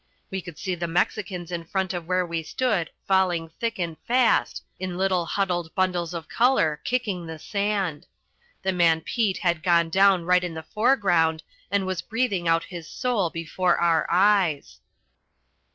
We could see the Mexicans in front of where we stood falling thick and fast, in little huddled bundles of colour, kicking the sand. The man Pete had gone down right in the foreground and was breathing out his soul before our eyes.